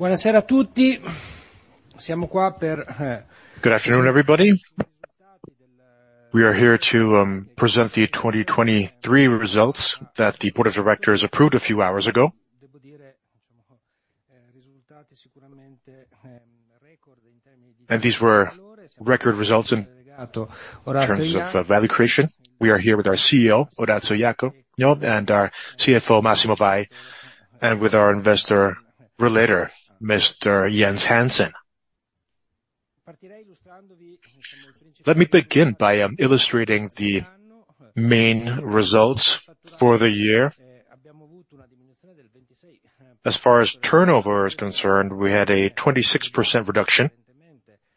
Buonasera a tutti. Siamo qua per, Good afternoon, everybody. We are here to present the 2023 results that the Board of Directors approved a few hours ago. These were record results in terms of value creation. We are here with our CEO, Orazio Iacono, and our CFO, Massimo Vai, and with our Investor Relations, Mr. Jens Klint Hansen. Let me begin by illustrating the main results for the year. As far as turnover is concerned, we had a 26% reduction,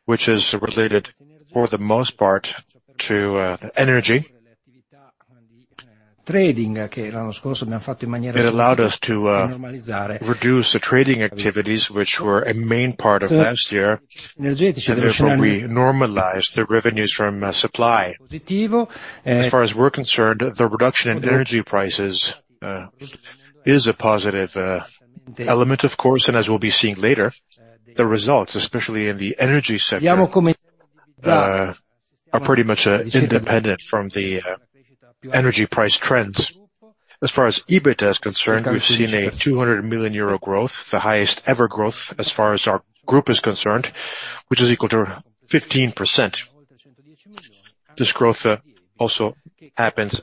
which is related for the most part to the energy trading that last year we normalized. It allowed us to reduce the trading activities, which were a main part of last year. As far as we're concerned, the reduction in energy prices is a positive element, of course, and as we'll be seeing later, the results, especially in the energy sector, are pretty much independent from the energy price trends. As far as EBIT is concerned, we've seen a 200 million euro growth, the highest ever growth as far as our group is concerned, which is equal to 15%. This growth also happens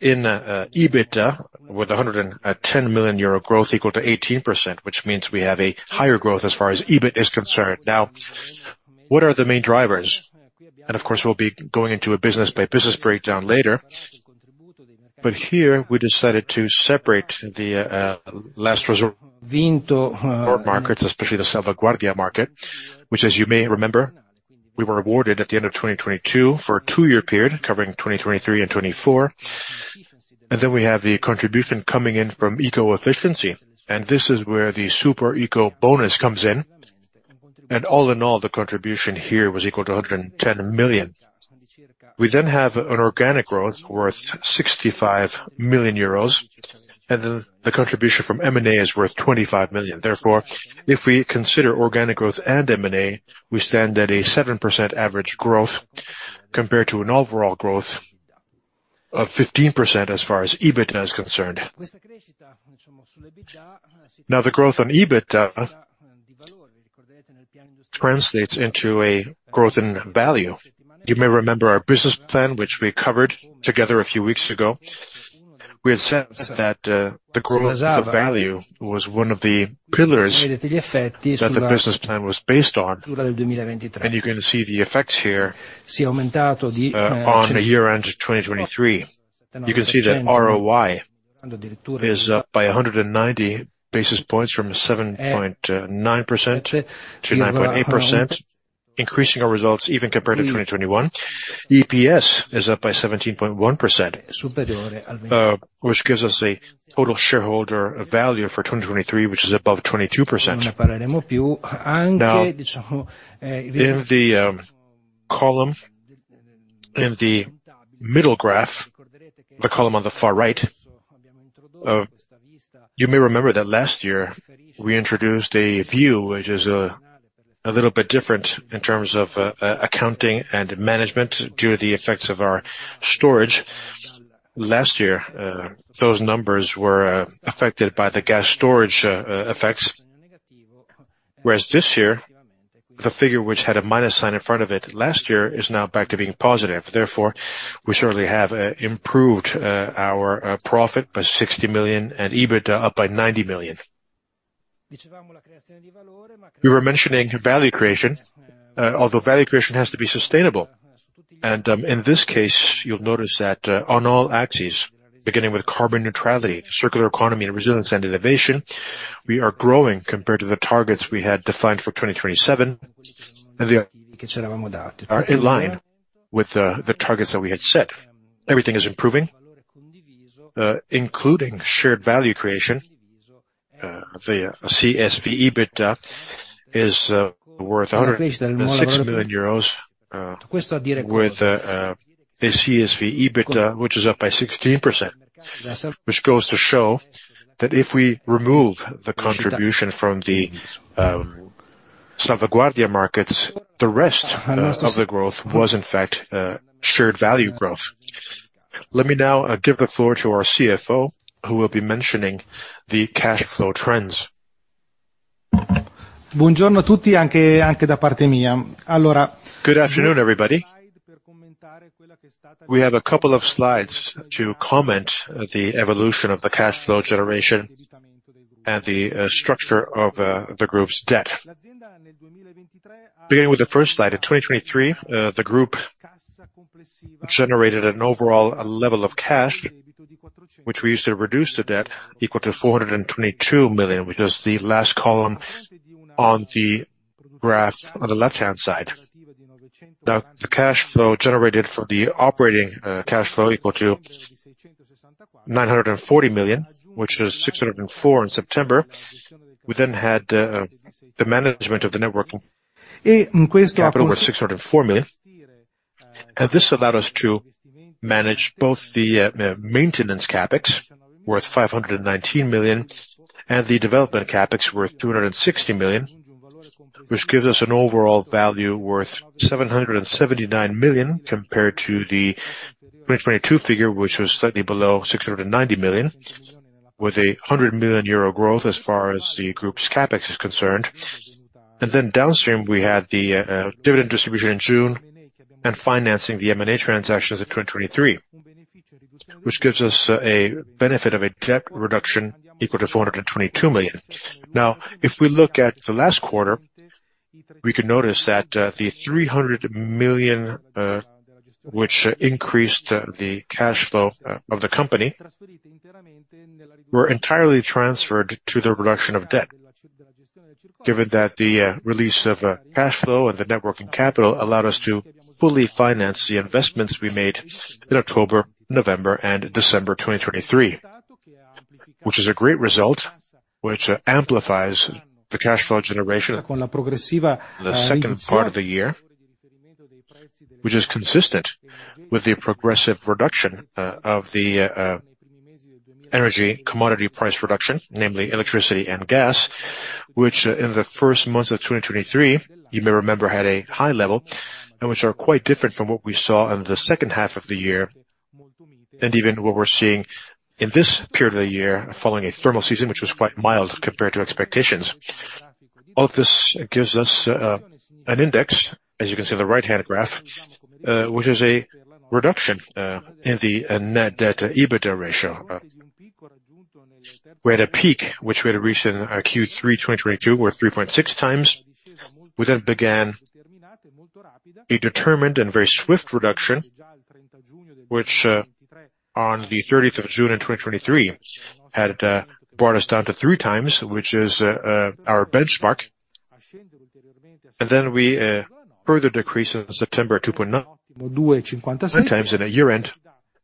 in EBIT with 110 million euro growth equal to 18%, which means we have a higher growth as far as EBIT is concerned. Now, what are the main drivers? Of course, we'll be going into a business-by-business breakdown later. But here we decided to separate the last resort markets, especially the Salvaguardia market, which, as you may remember, we were awarded at the end of 2022 for a two-year period covering 2023 and 2024. And then we have the contribution coming in from eco-efficiency, and this is where the Super Ecobonus comes in. And all in all, the contribution here was equal to 110 million. We then have an organic growth worth 65 million euros, and then the contribution from M&A is worth 25 million. Therefore, if we consider organic growth and M&A, we stand at a 7% average growth compared to an overall growth of 15% as far as EBIT is concerned. Now, the growth on EBIT translates into a growth in value. You may remember our business plan, which we covered together a few weeks ago. We had said that the growth of value was one of the pillars that the business plan was based on, and you can see the effects here on year-end 2023. You can see that ROI is up by 190 basis points from 7.9% to 9.8%, increasing our results even compared to 2021. EPS is up by 17.1%, which gives us a total shareholder value for 2023, which is above 22%. Now, in the column in the middle graph, the column on the far right, you may remember that last year we introduced a view which is a little bit different in terms of accounting and management due to the effects of our storage. Last year, those numbers were affected by the gas storage effects, whereas this year, the figure which had a minus sign in front of it last year is now back to being positive. Therefore, we certainly have improved our profit by 60 million and EBIT up by 90 million. We were mentioning value creation, although value creation has to be sustainable. In this case, you'll notice that on all axes, beginning with carbon neutrality, circular economy, and resilience and innovation, we are growing compared to the targets we had defined for 2027 are in line with the targets that we had set. Everything is improving, including shared value creation. The CSV EBIT is worth 6 million euros, with the CSV EBIT, which is up by 16%, which goes to show that if we remove the contribution from the Salvaguardia markets, the rest of the growth was, in fact, shared value growth. Let me now give the floor to our CFO, who will be mentioning the cash flow trends. Buongiorno a tutti, anche, anche da parte mia. Allora. Good afternoon, everybody. We have a couple of slides to comment on the evolution of the cash flow generation and the structure of the group's debt. Beginning with the first slide, in 2023, the group generated an overall level of cash, which we used to reduce the debt, equal to 422 million, which is the last column on the graph on the left-hand side. Now, the cash flow generated from the operating cash flow equal to 940 million, which is 604 million in September. We then had the management of the network in April worth 604 million. This allowed us to manage both the maintenance CapEx worth 519 million and the development CapEx worth 260 million, which gives us an overall value worth 779 million compared to the 2022 figure, which was slightly below 690 million, with a 100 million euro growth as far as the group's CapEx is concerned. Then downstream, we had the dividend distribution in June and financing the M&A transactions in 2023, which gives us a benefit of a debt reduction equal to 422 million. Now, if we look at the last quarter, we can notice that the 300 million, which increased the cash flow of the company, were entirely transferred to the reduction of debt, given that the release of cash flow and the working capital allowed us to fully finance the investments we made in October, November, and December 2023, which is a great result, which amplifies the cash flow generation in the second part of the year, which is consistent with the progressive reduction of the energy commodity price reduction, namely electricity and gas, which in the first months of 2023, you may remember, had a high level and which are quite different from what we saw in the second half of the year and even what we're seeing in this period of the year following a thermal season, which was quite mild compared to expectations. All of this gives us an index, as you can see in the right-hand graph, which is a reduction in the net debt/EBITDA ratio. We had a peak, which we had reached in Q3 2022, where 3.6x. We then began a determined and very swift reduction, which on the 30th of June in 2023 had brought us down to 3x, which is our benchmark. And then we further decreased in September at 2.9x, and at year-end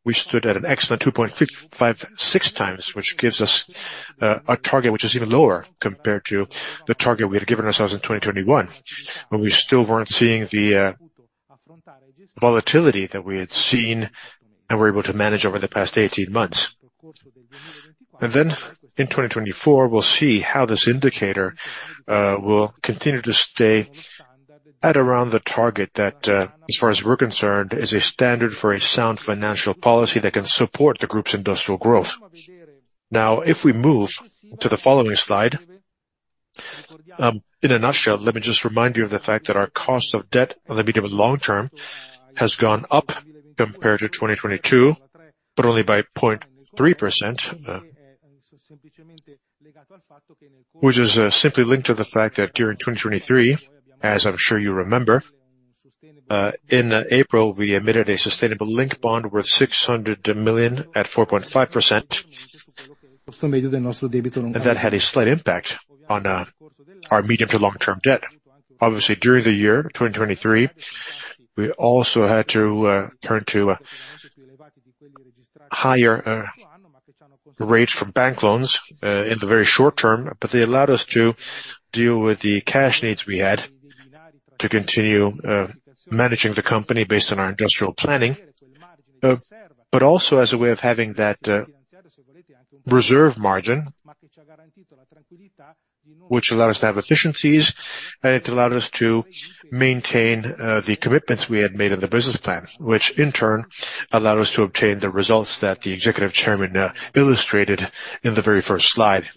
we stood at an excellent 2.56x, which gives us a target which is even lower compared to the target we had given ourselves in 2021 when we still weren't seeing the volatility that we had seen and were able to manage over the past 18 months. And then in 2024, we'll see how this indicator will continue to stay at around the target that, as far as we're concerned, is a standard for a sound financial policy that can support the group's industrial growth. Now, if we move to the following slide, in a nutshell, let me just remind you of the fact that our cost of debt, let me do it long-term, has gone up compared to 2022, but only by 0.3%, which is simply linked to the fact that during 2023, as I'm sure you remember, in April, we emitted a Sustainability-Linked Bond worth 600 million at 4.5%, and that had a slight impact on our medium to long-term debt. Obviously, during the year 2023, we also had to turn to higher rates from bank loans in the very short term, but they allowed us to deal with the cash needs we had to continue managing the company based on our industrial planning, but also as a way of having that reserve margin, which allowed us to have efficiencies, and it allowed us to maintain the commitments we had made in the business plan, which in turn allowed us to obtain the results that the executive chairman illustrated in the very first slide.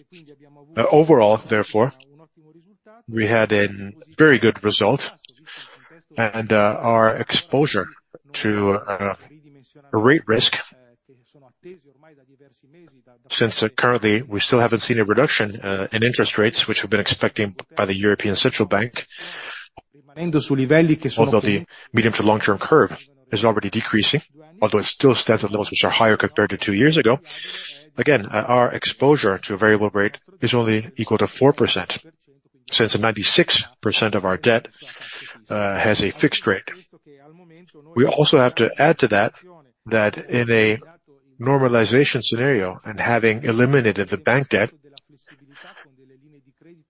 Overall, therefore, we had a very good result, and our exposure to rate risk since currently we still haven't seen a reduction in interest rates, which we've been expecting by the European Central Bank, although the medium- to long-term curve is already decreasing, although it still stands at levels which are higher compared to two years ago. Again, our exposure to variable rate is only equal to 4% since 96% of our debt has a fixed rate. We also have to add to that that in a normalization scenario and having eliminated the bank debt,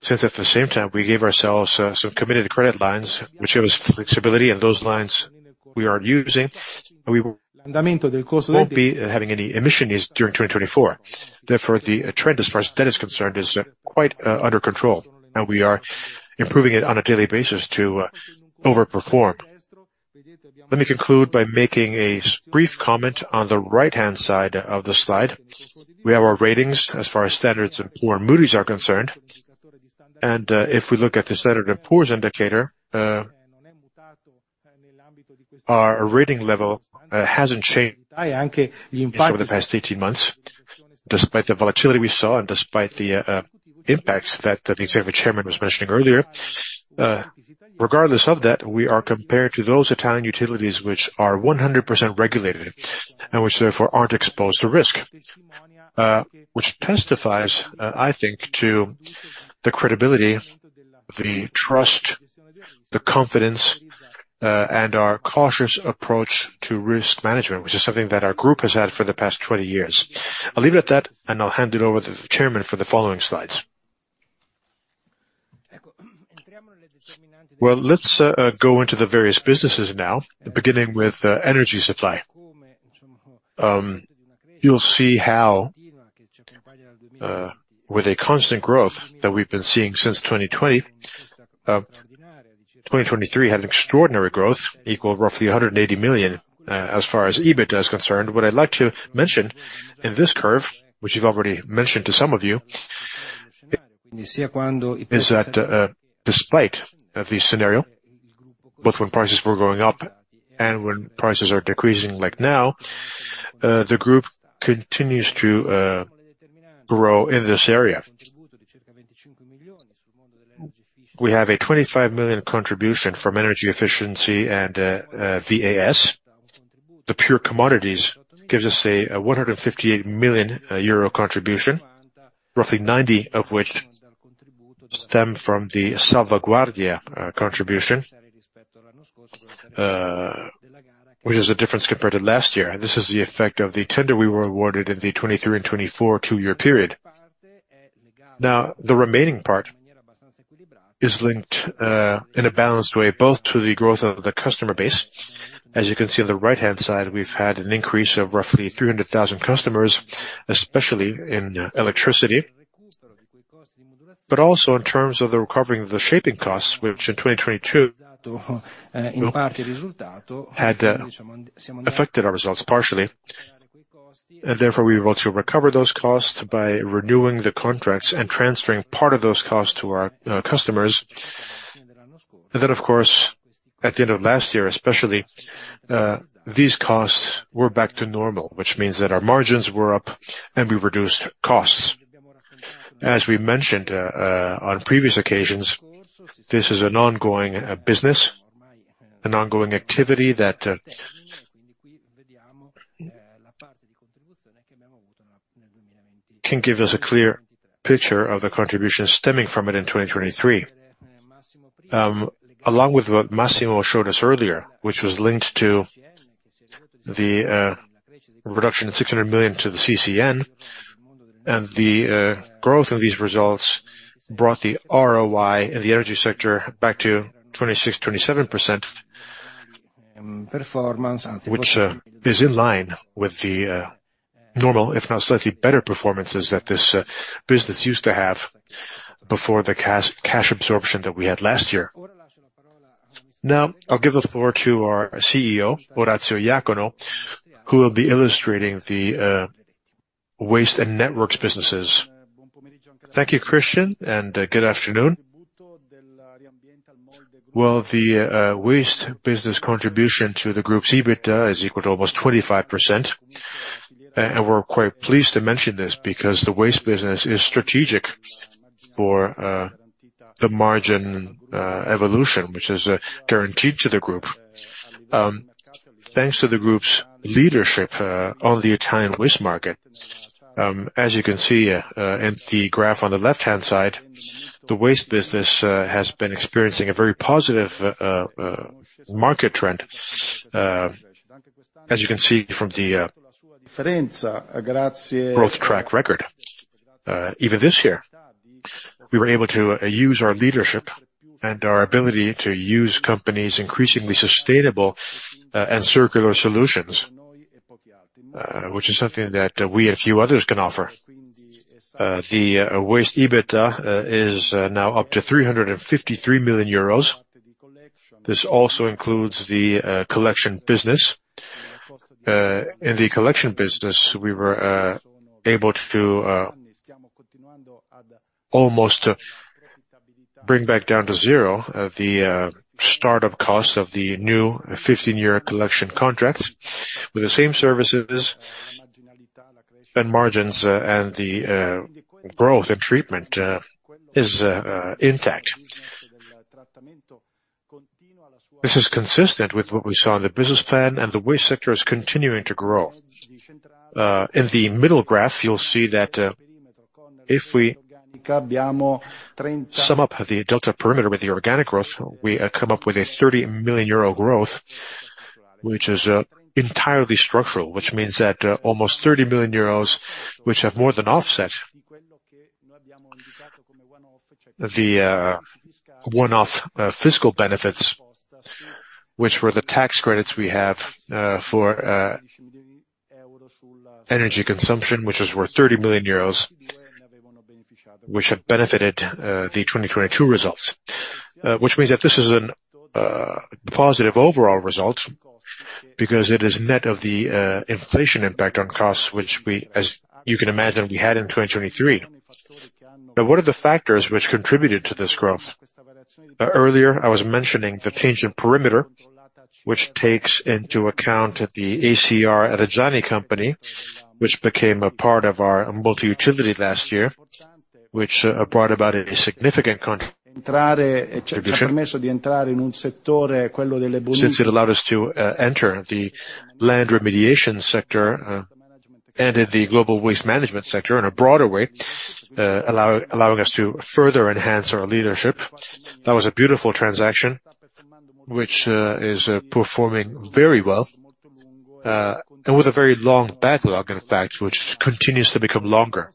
since at the same time we gave ourselves some committed credit lines, which gave us flexibility, and those lines we are using, we won't be having any emissions during 2024. Therefore, the trend as far as debt is concerned is quite under control, and we are improving it on a daily basis to overperform. Let me conclude by making a brief comment on the right-hand side of the slide. We have our ratings as far as S&P and Moody's are concerned. If we look at the S&P indicator, our rating level hasn't changed over the past 18 months despite the volatility we saw and despite the impacts that the Executive Chairman was mentioning earlier. Regardless of that, we are compared to those Italian utilities which are 100% regulated and which therefore aren't exposed to risk, which testifies, I think, to the credibility, the trust, the confidence, and our cautious approach to risk management, which is something that our group has had for the past 20 years. I'll leave it at that, and I'll hand it over to the Chairman for the following slides. Well, let's go into the various businesses now, beginning with energy supply. You'll see how, with a constant growth that we've been seeing since 2020, 2023 had an extraordinary growth equal roughly 180 million, as far as EBIT is concerned. What I'd like to mention in this curve, which you've already mentioned to some of you, is that, despite this scenario, both when prices were going up and when prices are decreasing like now, the group continues to grow in this area. We have a 25 million contribution from energy efficiency and VAS. The pure commodities gives us a 158 million euro contribution, roughly 90 million of which stem from the Salvaguardia contribution, which is a difference compared to last year. This is the effect of the tender we were awarded in the 2023 and 2024 two-year period. Now, the remaining part is linked in a balanced way both to the growth of the customer base. As you can see on the right-hand side, we've had an increase of roughly 300,000 customers, especially in electricity, but also in terms of the recovering of the shaping costs, which in 2022 had affected our results partially. And therefore, we were able to recover those costs by renewing the contracts and transferring part of those costs to our customers. And then, of course, at the end of last year, especially, these costs were back to normal, which means that our margins were up and we reduced costs. As we mentioned on previous occasions, this is an ongoing business, an ongoing activity that can give us a clear picture of the contribution stemming from it in 2023. Along with what Massimo showed us earlier, which was linked to the reduction of 600 million to the CCN and the growth in these results brought the ROI in the energy sector back to 26%-27%, which is in line with the normal, if not slightly better performances that this business used to have before the cash absorption that we had last year. Now, I'll give the floor to our CEO, Orazio Iacono, who will be illustrating the waste and networks businesses. Thank you, Cristian, and good afternoon. Well, the waste business contribution to the group's EBIT is equal to almost 25%. We're quite pleased to mention this because the waste business is strategic for the margin evolution, which is guaranteed to the group. Thanks to the group's leadership on the Italian waste market, as you can see in the graph on the left-hand side, the waste business has been experiencing a very positive market trend, as you can see from the growth track record. Even this year, we were able to use our leadership and our ability to use companies' increasingly sustainable and circular solutions, which is something that we and a few others can offer. The waste EBIT is now up to 353 million euros. This also includes the collection business. In the collection business, we were able to almost bring back down to zero the startup costs of the new 15-year collection contract with the same services spend margins, and the growth and treatment is intact. This is consistent with what we saw in the business plan, and the waste sector is continuing to grow. In the middle graph, you'll see that if we sum up the delta perimeter with the organic growth, we come up with a 30 million euro growth, which is entirely structural, which means that almost 30 million euros, which have more than offset the one-off fiscal benefits, which were the tax credits we have for energy consumption, which is worth 30 million euros, which have benefited the 2022 results, which means that this is a positive overall result because it is net of the inflation impact on costs, which we, as you can imagine, we had in 2023. Now, what are the factors which contributed to this growth? Earlier, I was mentioning the change in perimeter, which takes into account the ACR di Reggiani company, which became a part of our multi-utility last year, which brought about a significant contribution. Since it allowed us to enter the land remediation sector, and in the global waste management sector in a broader way, allowing us to further enhance our leadership. That was a beautiful transaction, which is performing very well, and with a very long backlog, in fact, which continues to become longer.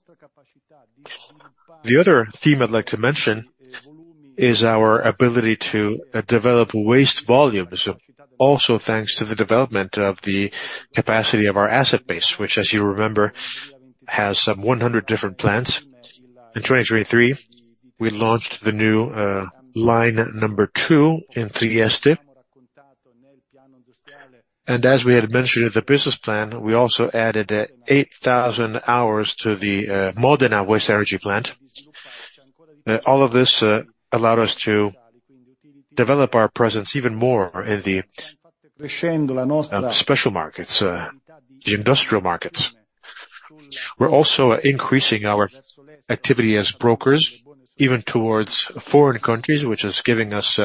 The other theme I'd like to mention is our ability to develop waste volumes, also thanks to the development of the capacity of our asset base, which, as you remember, has some 100 different plants. In 2023, we launched the new line number 2 in Trieste. As we had mentioned in the business plan, we also added 8,000 hours to the Modena waste-to-energy plant. All of this allowed us to develop our presence even more in the special markets, the industrial markets. We're also increasing our activity as brokers even towards foreign countries, which is giving us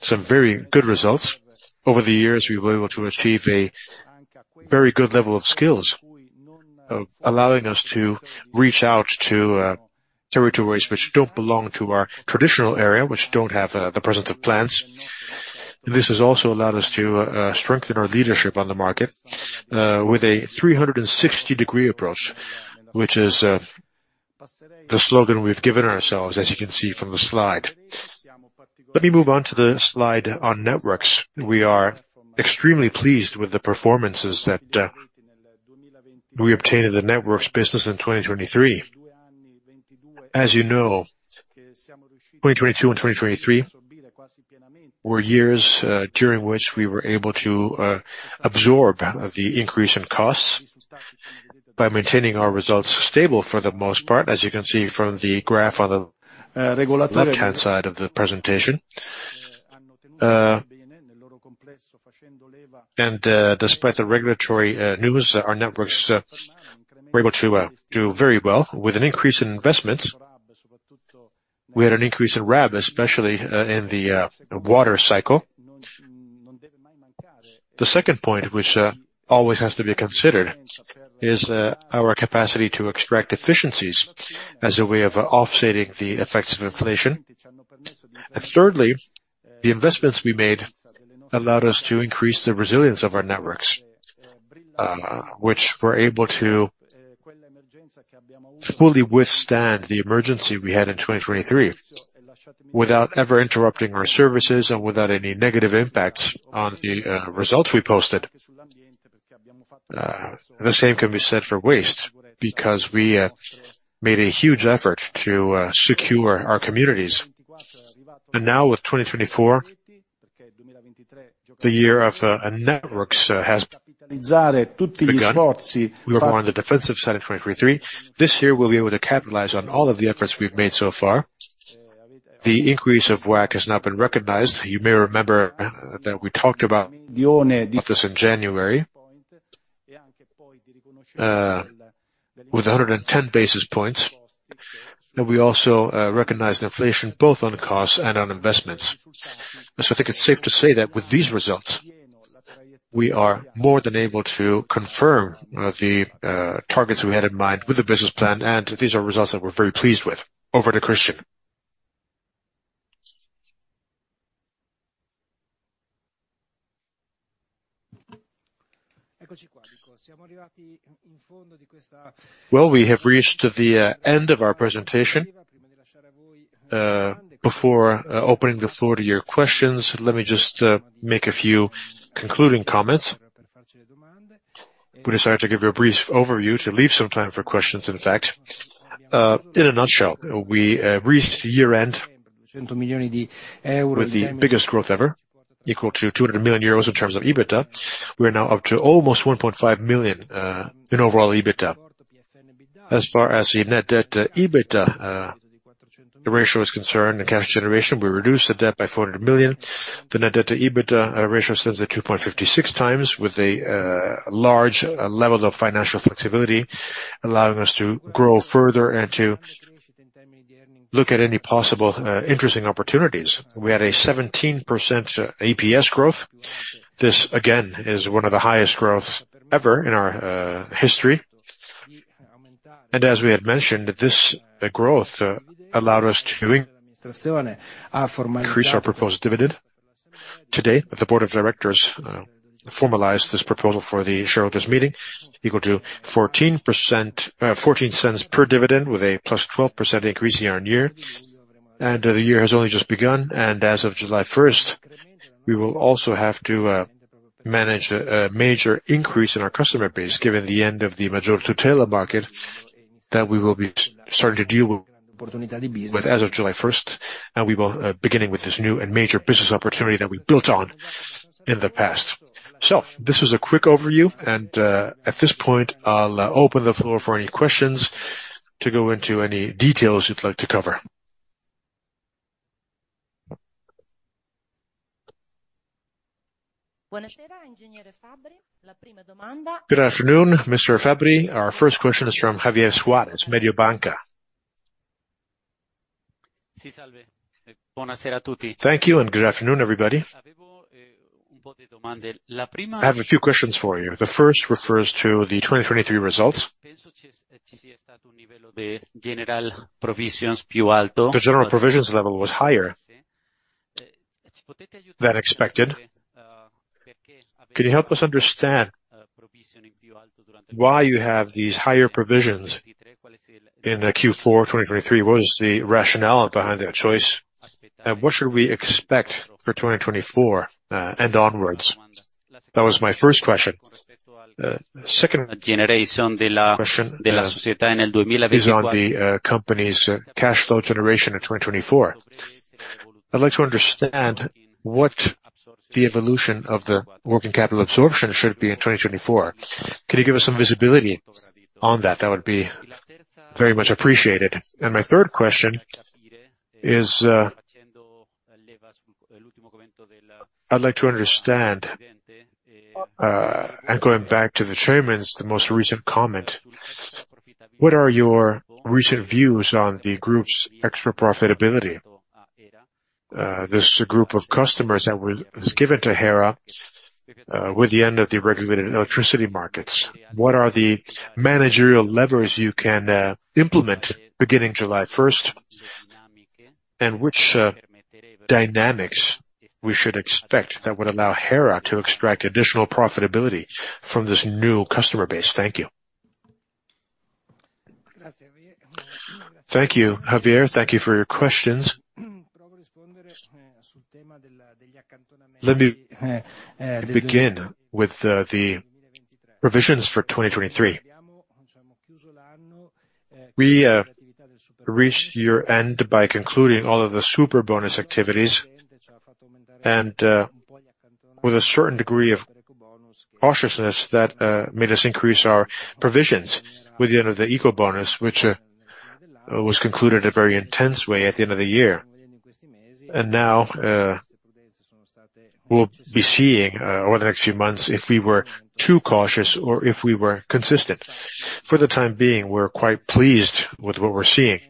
some very good results. Over the years, we were able to achieve a very good level of skills, allowing us to reach out to territories which don't belong to our traditional area, which don't have the presence of plants. This has also allowed us to strengthen our leadership on the market, with a 360-degree approach, which is the slogan we've given ourselves, as you can see from the slide. Let me move on to the slide on networks. We are extremely pleased with the performances that we obtained in the networks business in 2023. As you know, 2022 and 2023 were years during which we were able to absorb the increase in costs by maintaining our results stable for the most part, as you can see from the graph on the left-hand side of the presentation. Despite the regulatory news, our networks were able to do very well. With an increase in investments, we had an increase in RAB, especially in the water cycle. The second point, which always has to be considered, is our capacity to extract efficiencies as a way of offsetting the effects of inflation. Thirdly, the investments we made allowed us to increase the resilience of our networks, which were able to fully withstand the emergency we had in 2023 without ever interrupting our services and without any negative impacts on the results we posted. The same can be said for waste because we made a huge effort to secure our communities. And now, with 2024, the year of networks, has begun. We were more on the defensive side in 2023. This year, we'll be able to capitalize on all of the efforts we've made so far. The increase of WACC has now been recognized. You may remember that we talked about this in January, with 110 basis points. And we also recognized inflation both on costs and on investments. So I think it's safe to say that with these results, we are more than able to confirm the targets we had in mind with the business plan, and these are results that we're very pleased with. Over to Cristian. Well, we have reached the end of our presentation. Before opening the floor to your questions, let me just make a few concluding comments. We decided to give you a brief overview to leave some time for questions, in fact. In a nutshell, we reached year-end with the biggest growth ever, equal to 200 million euros in terms of EBITDA. We are now up to almost 1.5 billion in overall EBITDA. As far as the net debt to EBITDA ratio is concerned and cash generation, we reduced the debt by 400 million. The net debt to EBITDA ratio stands at 2.56 times with a large level of financial flexibility, allowing us to grow further and to look at any possible interesting opportunities. We had a 17% EPS growth. This, again, is one of the highest growths ever in our history. And as we had mentioned, this growth allowed us to increase our proposed dividend. Today, the board of directors formalized this proposal for the shareholders' meeting, equal to 14%, 0.14 per dividend with a +12% increase year-on-year. The year has only just begun. As of July 1st, we will also have to manage a major increase in our customer base given the end of the Maggior Tutela market that we will be starting to deal with as of July 1st. We will begin with this new and major business opportunity that we built on in the past. So this was a quick overview. At this point, I'll open the floor for any questions to go into any details you'd like to cover. Good afternoon, Mr. Fabbri. Our first question is from Javier Suárez, Mediobanca. Buonasera a tutti. Thank you, and good afternoon, everybody. I have a few questions for you. The first refers to the 2023 results. The general provisions level was higher than expected. Can you help us understand why you have these higher provisions in Q4 2023? What was the rationale behind that choice? And what should we expect for 2024 and onwards? That was my first question. The second question is on the company's cash flow generation in 2024. I'd like to understand what the evolution of the working capital absorption should be in 2024. Can you give us some visibility on that? That would be very much appreciated. And my third question is, I'd like to understand, and going back to the chairman's most recent comment, what are your recent views on the group's extra profitability? This group of customers that was given to Hera, with the end of the regulated electricity markets, what are the managerial levers you can implement beginning July 1st, and which dynamics we should expect that would allow Hera to extract additional profitability from this new customer base? Thank you. Thank you, Javier. Thank you for your questions. Let me begin with the provisions for 2023. We reached year-end by concluding all of the super bonus activities and, with a certain degree of cautiousness that made us increase our provisions with the end of the Ecobonus, which was concluded in a very intense way at the end of the year. And now, we'll be seeing over the next few months if we were too cautious or if we were consistent. For the time being, we're quite pleased with what we're seeing.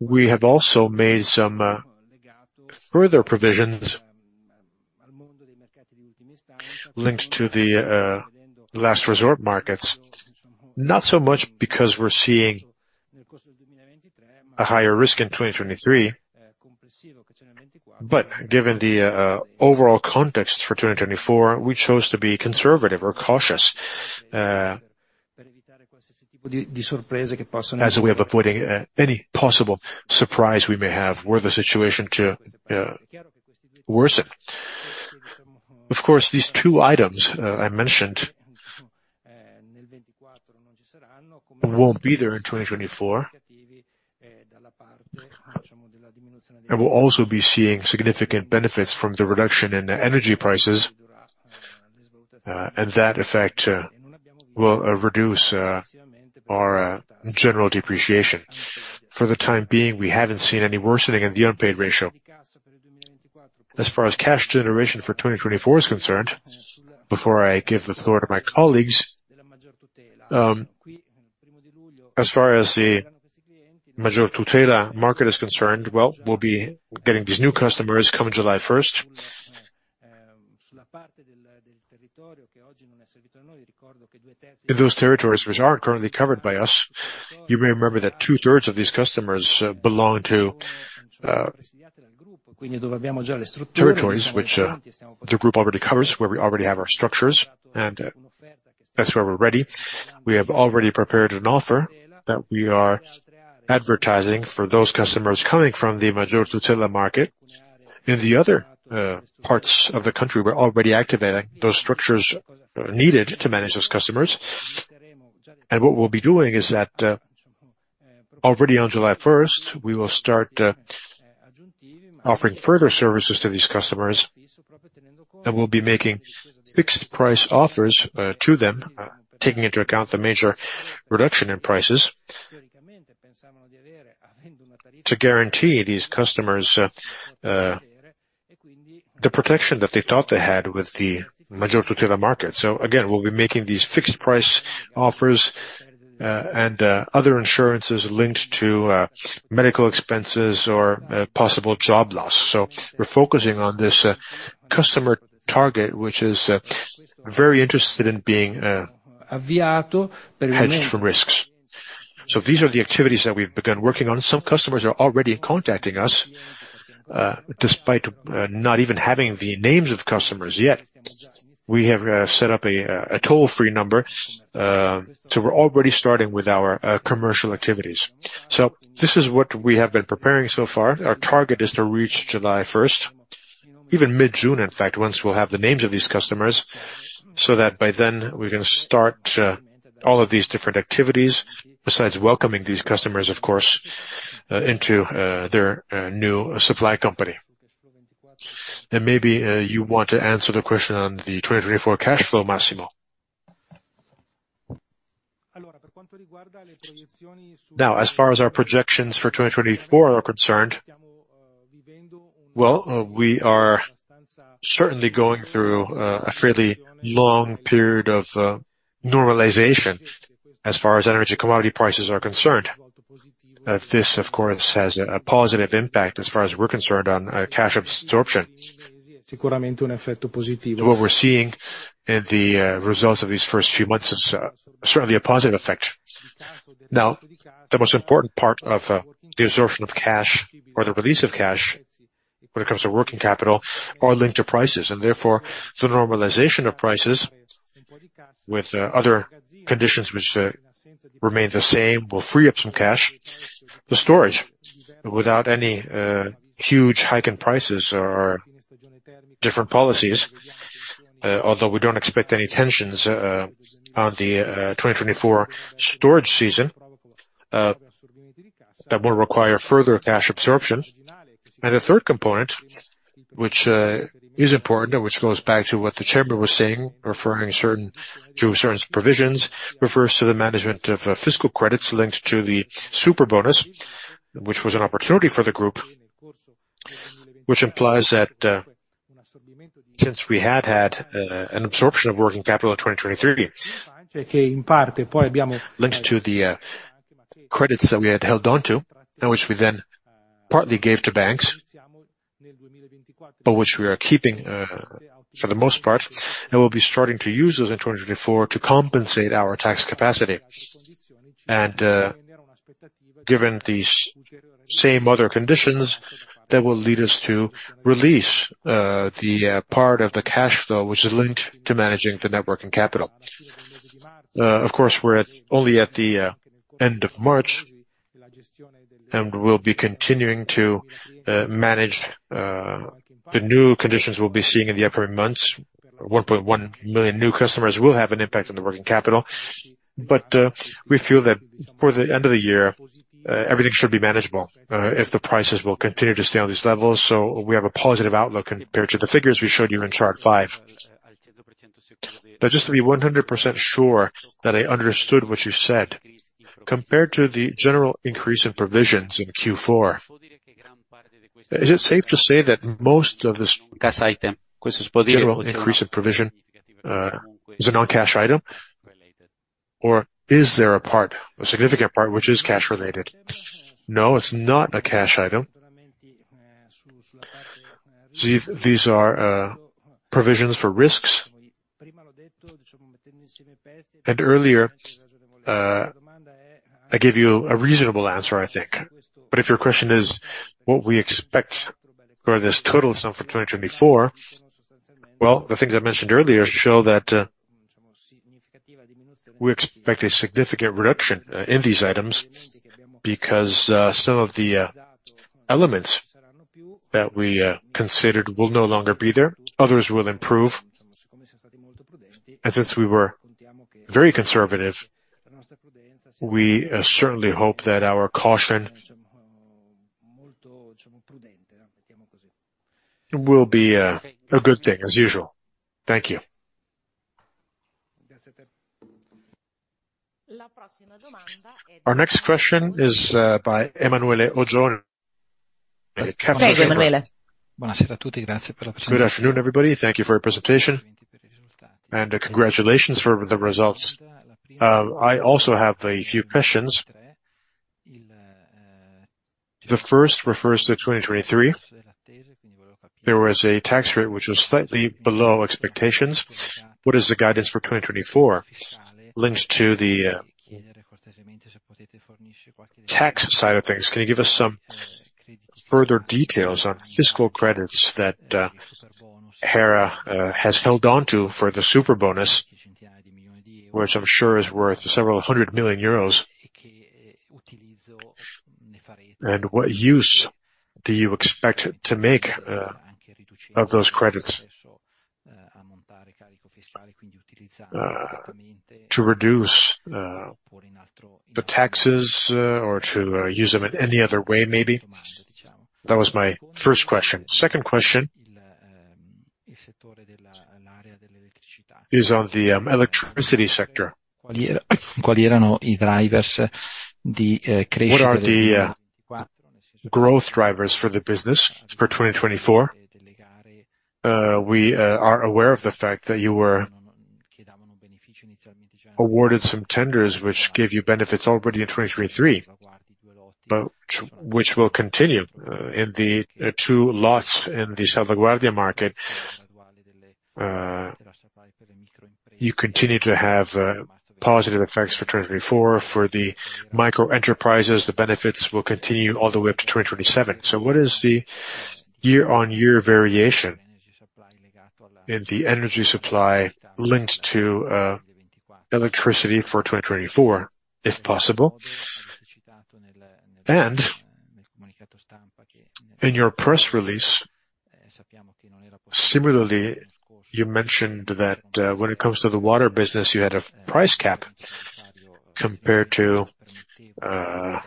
We have also made some further provisions linked to the last resort markets, not so much because we're seeing a higher risk in 2023, but given the overall context for 2024, we chose to be conservative or cautious, as we avoid any possible surprise we may have where the situation to worsen. Of course, these two items I mentioned won't be there in 2024, and we'll also be seeing significant benefits from the reduction in energy prices. That effect will reduce our general depreciation. For the time being, we haven't seen any worsening in the unpaid ratio. As far as cash generation for 2024 is concerned, before I give the floor to my colleagues, as far as the Maggior Tutela market is concerned, well, we'll be getting these new customers come July 1st. In those territories, which aren't currently covered by us, you may remember that two-thirds of these customers belong to territories which the group already covers, where we already have our structures, and that's where we're ready. We have already prepared an offer that we are advertising for those customers coming from the Maggior Tutela market. In the other parts of the country, we're already activating those structures needed to manage those customers. And what we'll be doing is that, already on July 1st, we will start offering further services to these customers, and we'll be making fixed-price offers to them, taking into account the major reduction in prices, to guarantee these customers the protection that they thought they had with the Maggior Tutela market. So again, we'll be making these fixed-price offers, and other insurances linked to medical expenses or possible job loss. So we're focusing on this customer target, which is very interested in being hedged from risks. So these are the activities that we've begun working on. Some customers are already contacting us, despite not even having the names of customers yet. We have set up a toll-free number, so we're already starting with our commercial activities. So this is what we have been preparing so far. Our target is to reach July 1st, even mid-June, in fact, once we'll have the names of these customers, so that by then, we're going to start all of these different activities besides welcoming these customers, of course, into their new supply company. And maybe you want to answer the question on the 2024 cash flow, Massimo. Now, as far as our projections for 2024 are concerned, well, we are certainly going through a fairly long period of normalization as far as energy commodity prices are concerned. This, of course, has a positive impact as far as we're concerned on cash absorption. So what we're seeing in the results of these first few months is certainly a positive effect. Now, the most important part of the absorption of cash or the release of cash when it comes to working capital are linked to prices. And therefore, the normalization of prices with other conditions, which remain the same, will free up some cash. The storage, without any huge hike in prices or different policies, although we don't expect any tensions on the 2024 storage season, that will require further cash absorption. And the third component, which is important and which goes back to what the chairman was saying, referring to certain provisions, refers to the management of fiscal credits linked to the Superbonus, which was an opportunity for the group, which implies that, since we had had an absorption of working capital in 2023, linked to the credits that we had held onto and which we then partly gave to banks, but which we are keeping, for the most part, and we'll be starting to use those in 2024 to compensate our tax capacity. And, given these same other conditions, that will lead us to release the part of the cash flow, which is linked to managing the net working capital. Of course, we're only at the end of March and we'll be continuing to manage the new conditions we'll be seeing in the upcoming months. 1.1 million new customers will have an impact on the working capital. But we feel that for the end of the year, everything should be manageable, if the prices will continue to stay on these levels. So we have a positive outlook compared to the figures we showed you in Chart 5. Now, just to be 100% sure that I understood what you said, compared to the general increase in provisions in Q4, is it safe to say that most of this cash item? Questo si può dire. General increase in provisions is a non-cash item, or is there a part, a significant part, which is cash-related? No, it's not a cash item. So these are provisions for risks. And earlier, I gave you a reasonable answer, I think. If your question is what we expect for this total sum for 2024, well, the things I mentioned earlier show that we expect a significant reduction in these items because some of the elements that we considered will no longer be there. Others will improve. Since we were very conservative, we certainly hope that our caution will be a good thing, as usual. Thank you. Our next question is by Emanuele Oggioni. Buonasera a tutti. Grazie per la presentazione. Good afternoon, everybody. Thank you for your presentation. Congratulations for the results. I also have a few questions. The first refers to 2023. There was a tax rate which was slightly below expectations. What is the guidance for 2024 linked to the tax side of things? Can you give us some further details on Fiscal Credits that Hera has held onto for the Superbonus, which I'm sure is worth several hundred million EUR? And what use do you expect to make of those credits? To reduce the taxes or to use them in any other way, maybe? That was my first question. Second question is on the electricity sector. Quali erano i drivers di crescita del 2024? What are the growth drivers for the business for 2024? We are aware of the fact that you were awarded some tenders which gave you benefits already in 2023, but which will continue. In the two lots in the Salvaguardia market, you continue to have positive effects for 2024. For the micro enterprises, the benefits will continue all the way up to 2027. So what is the year-on-year variation in the energy supply linked to, electricity for 2024, if possible? And in your press release, similarly, you mentioned that, when it comes to the water business, you had a price cap compared to the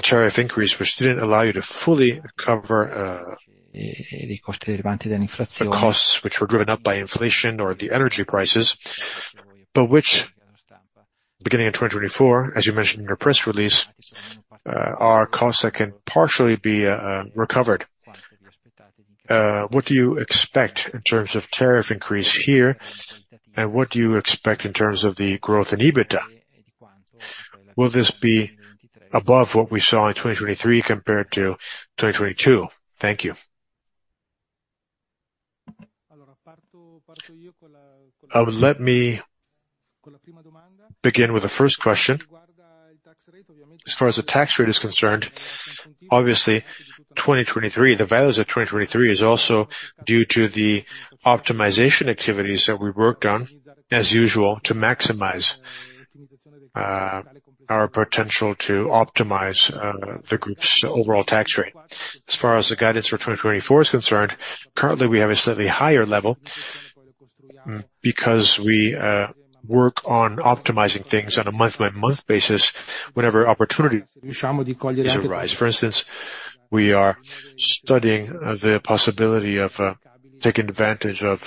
tariff increase, which didn't allow you to fully cover the costs which were driven up by inflation or the energy prices. But which, beginning in 2024, as you mentioned in your press release, are costs that can partially be recovered? What do you expect in terms of tariff increase here, and what do you expect in terms of the growth in EBITDA? Will this be above what we saw in 2023 compared to 2022? Thank you. Let me begin with the first question. As far as the tax rate is concerned, obviously, 2023, the values of 2023 is also due to the optimization activities that we worked on, as usual, to maximize, our potential to optimize, the group's overall tax rate. As far as the guidance for 2024 is concerned, currently, we have a slightly higher level because we, work on optimizing things on a month-by-month basis whenever opportunities arise. For instance, we are studying the possibility of, taking advantage of,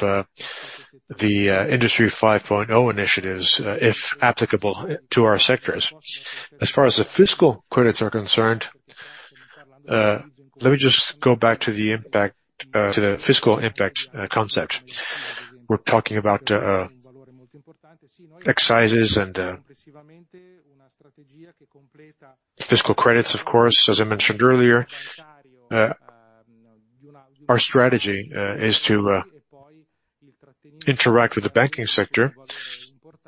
the, Industry 5.0 initiatives, if applicable to our sectors. As far as the fiscal credits are concerned, let me just go back to the impact, to the fiscal impact, concept. We're talking about, excises and, fiscal credits, of course, as I mentioned earlier. Our strategy is to interact with the banking sector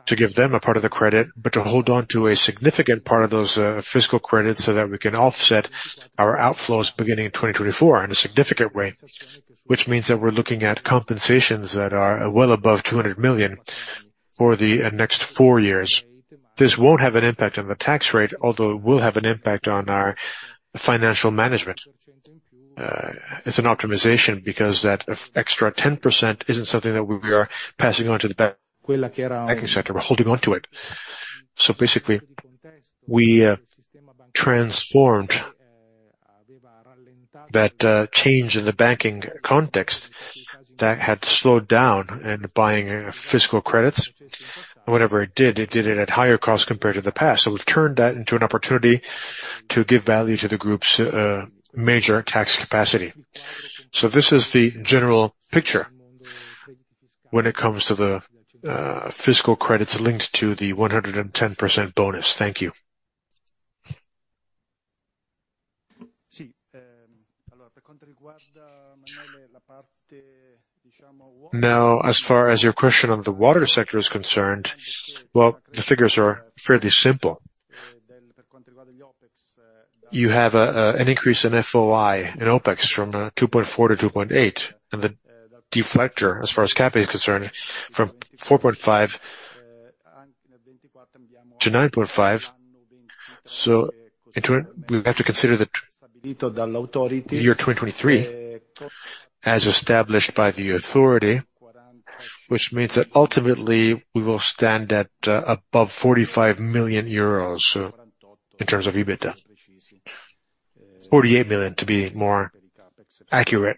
to give them a part of the credit, but to hold onto a significant part of those fiscal credits so that we can offset our outflows beginning in 2024 in a significant way, which means that we're looking at compensations that are well above 200 million for the next four years. This won't have an impact on the tax rate, although it will have an impact on our financial management. It's an optimization because that extra 10% isn't something that we are passing on to the banking sector. We're holding onto it. So basically, we transformed that change in the banking context that had slowed down in buying fiscal credits. And whenever it did, it did it at higher costs compared to the past. So we've turned that into an opportunity to give value to the group's major tax capacity. So this is the general picture when it comes to the fiscal credits linked to the 110% bonus. Thank you. Now, as far as your question on the water sector is concerned, well, the figures are fairly simple. You have an increase in ROI in OpEx from 2.4-2.8, and the deflator, as far as CAPEX is concerned, from 4.5-9.5. So we have to consider the year 2023 as established by the authority, which means that ultimately, we will stand at above 45 million euros in terms of EBITDA. 48 million, to be more accurate,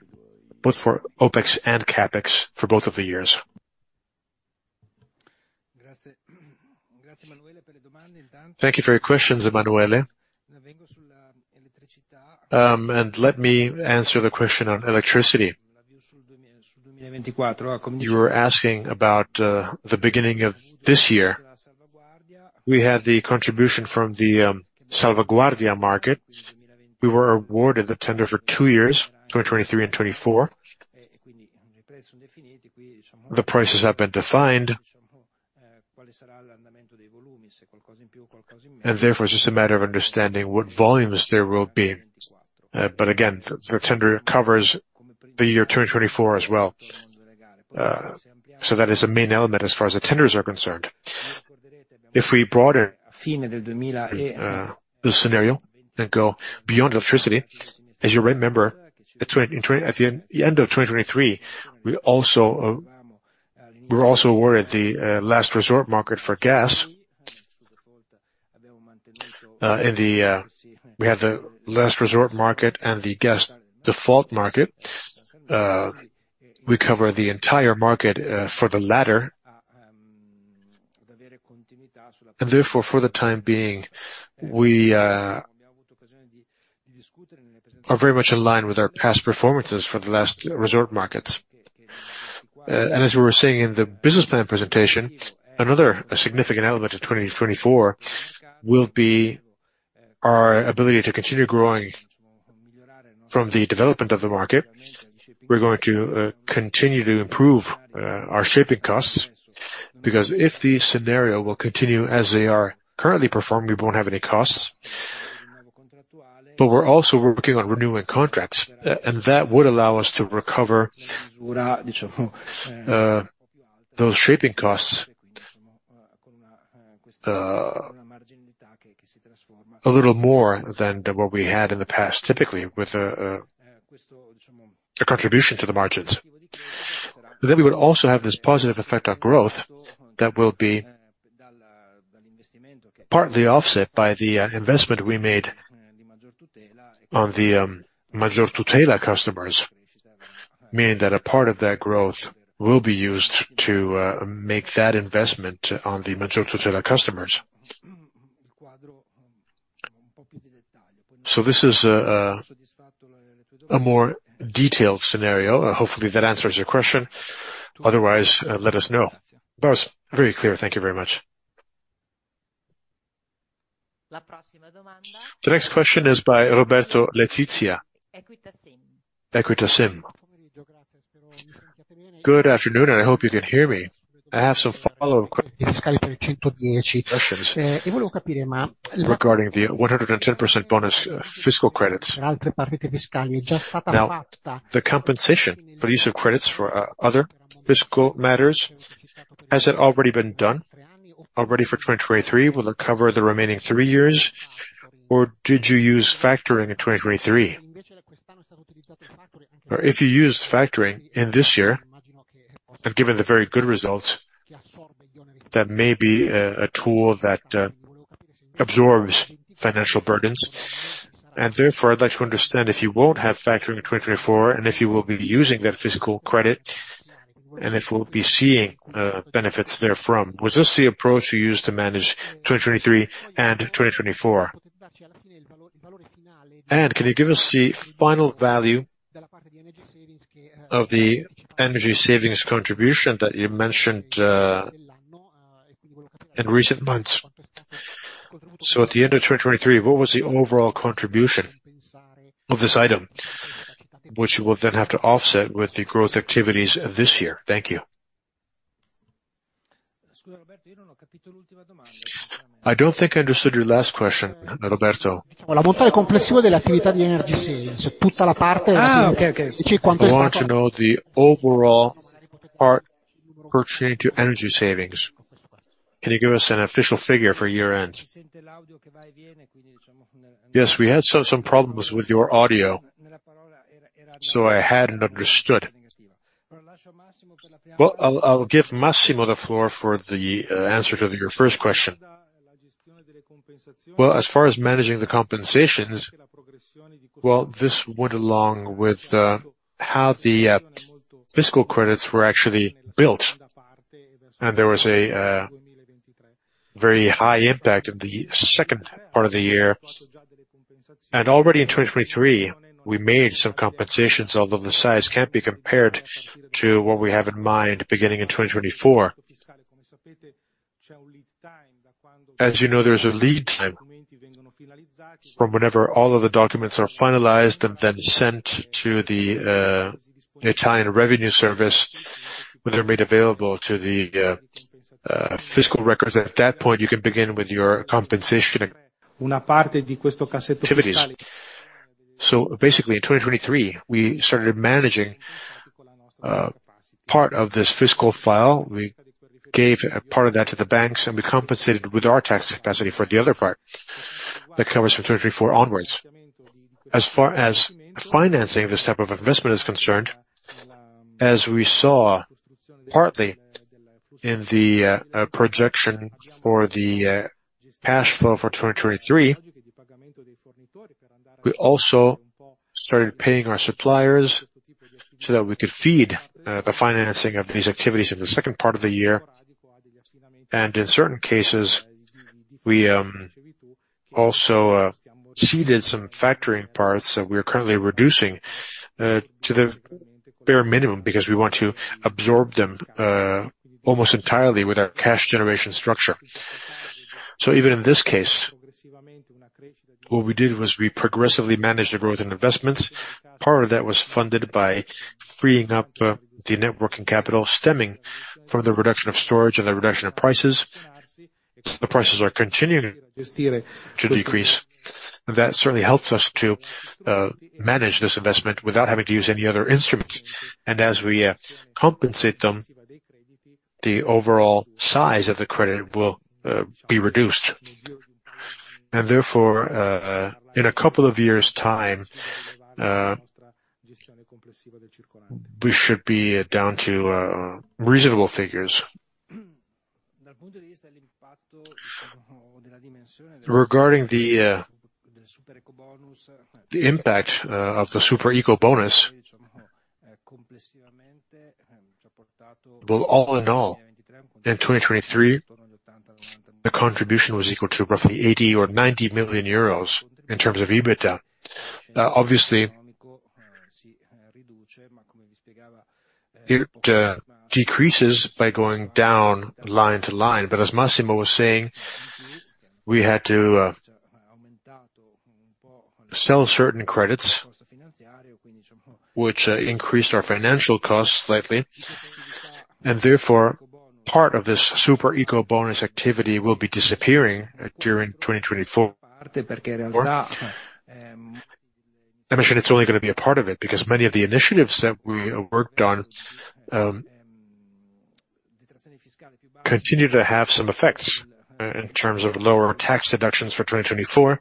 both for OpEx and CAPEX for both of the years. Thank you for your questions, Emanuele. And let me answer the question on electricity. You were asking about the beginning of this year. We had the contribution from the Salvaguardia market. We were awarded the tender for two years, 2023 and 2024. The prices have been defined. Therefore, it's just a matter of understanding what volumes there will be. Again, the tender covers the year 2024 as well. That is the main element as far as the tenders are concerned. If we brought in this scenario and go beyond electricity, as you remember, at the end of 2023, we were also awarded the last resort market for gas. We had the last resort market and the gas default market. We cover the entire market for the latter. Therefore, for the time being, we are very much in line with our past performances for the last resort markets. As we were saying in the business plan presentation, another significant element of 2024 will be our ability to continue growing from the development of the market. We're going to continue to improve our shaping costs because if the scenario will continue as they are currently performing, we won't have any costs. But we're also working on renewing contracts, and that would allow us to recover those shaping costs a little more than what we had in the past typically with a contribution to the margins. Then we would also have this positive effect on growth that will be partly offset by the investment we made on the Maggior Tutela customers, meaning that a part of that growth will be used to make that investment on the Maggior Tutela customers. So this is a more detailed scenario. Hopefully, that answers your question. Otherwise, let us know. That was very clear. Thank you very much. The next question is by Roberto Letizia. Good afternoon, and I hope you can hear me. I have some follow-up questions, and I want to know, regarding the 110% bonus fiscal credits. Now, the compensation for the use of credits for other fiscal matters, has it already been done? Already for 2023, will it cover the remaining three years, or did you use factoring in 2023? Or if you used factoring in this year and given the very good results, that may be a tool that absorbs financial burdens. And therefore, I'd like to understand if you won't have factoring in 2024 and if you will be using that fiscal credit and if we'll be seeing benefits therefrom. Was this the approach you used to manage 2023 and 2024? And can you give us the final value of the energy savings contribution that you mentioned in recent months? So at the end of 2023, what was the overall contribution of this item, which you will then have to offset with the growth activities this year? Thank you. Io non ho capito l'ultima domanda. I don't think I understood your last question, Roberto. L'ammontare complessivo delle attività di energy savings, tutta la parte. We want to know the overall part pertaining to energy savings. Can you give us an official figure for year-end? Yes, we had some problems with your audio, so I hadn't understood. Well, I'll give Massimo the floor for the answer to your first question. Well, as far as managing the compensations, well, this went along with how the fiscal credits were actually built, and there was a very high impact in the second part of the year. Already in 2023, we made some compensations, although the size can't be compared to what we have in mind beginning in 2024. As you know, there's a lead time from whenever all of the documents are finalized and then sent to the Italian Revenue Service, when they're made available to the fiscal records. At that point, you can begin with your compensation. Una parte di questo cassetto fiscale. Basically, in 2023, we started managing part of this fiscal file. We gave part of that to the banks, and we compensated with our tax capacity for the other part that covers from 2024 onwards. As far as financing this type of investment is concerned, as we saw partly in the projection for the cash flow for 2023, we also started paying our suppliers so that we could feed the financing of these activities in the second part of the year. And in certain cases, we also seeded some factoring parts that we are currently reducing to the bare minimum because we want to absorb them almost entirely with our cash generation structure. So even in this case, what we did was we progressively managed the growth in investments. Part of that was funded by freeing up the net working capital stemming from the reduction of storage and the reduction of prices. The prices are continuing to decrease. That certainly helps us to manage this investment without having to use any other instruments. As we compensate them, the overall size of the credit will be reduced. Therefore, in a couple of years' time, we should be down to reasonable figures. Regarding the impact of the Superbonus, all in all, in 2023, the contribution was equal to roughly 80 million or 90 million euros in terms of EBITDA. Obviously, it decreases by going down line to line. But as Massimo was saying, we had to sell certain credits, which increased our financial costs slightly. Therefore, part of this Superbonus activity will be disappearing during 2024. I mentioned it's only going to be a part of it because many of the initiatives that we worked on continue to have some effects in terms of lower tax deductions for 2024,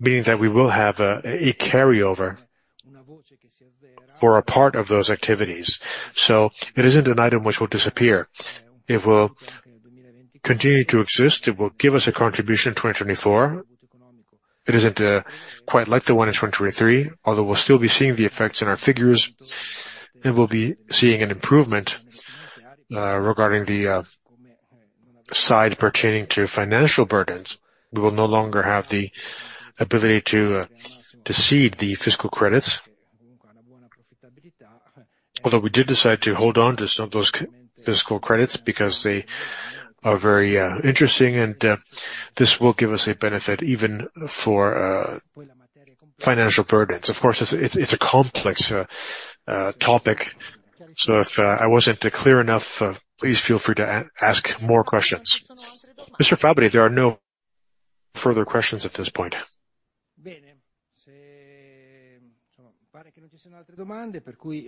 meaning that we will have a carryover for a part of those activities. So it isn't an item which will disappear. It will continue to exist. It will give us a contribution in 2024. It isn't quite like the one in 2023, although we'll still be seeing the effects in our figures and will be seeing an improvement regarding the side pertaining to financial burdens. We will no longer have the ability to seed the fiscal credits, although we did decide to hold on to some of those fiscal credits because they are very interesting, and this will give us a benefit even for financial burdens. Of course, it's a complex topic, so if I wasn't clear enough, please feel free to ask more questions. Mr. Fabbri, there are no further questions at this point. Very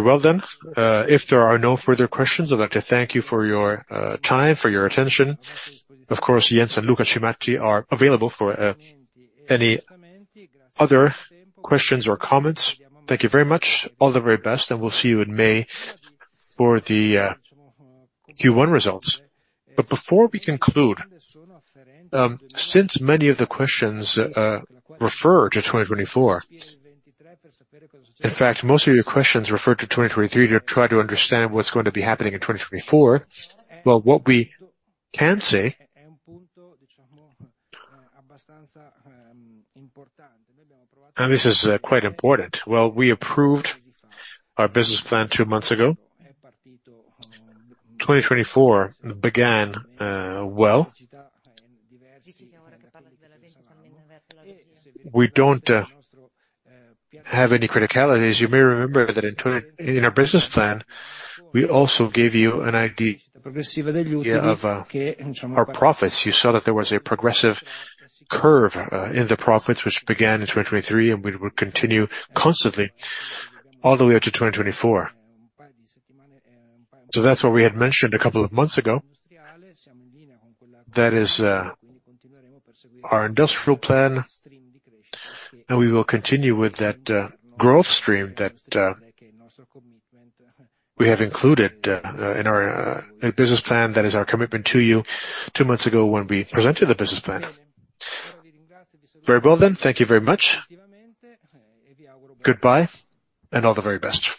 well then. If there are no further questions, I'd like to thank you for your time, for your attention. Of course, Jens and Luca Cimatti are available for any other questions or comments. Thank you very much. All the very best, and we'll see you in May for the Q1 results. Before we conclude, since many of the questions refer to 2024, in fact, most of your questions refer to 2023 to try to understand what's going to be happening in 2024. Well, what we can say, and this is quite important, well, we approved our business plan two months ago. 2024 began well. We don't have any criticalities. You may remember that in our business plan, we also gave you an idea of our profits. You saw that there was a progressive curve in the profits, which began in 2023, and we will continue constantly all the way up to 2024. That's what we had mentioned a couple of months ago. That is our industrial plan, and we will continue with that growth stream that we have included in our business plan. That is our commitment to you two months ago when we presented the business plan. Very well then. Thank you very much. Goodbye, and all the very best.